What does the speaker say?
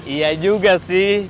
iya juga sih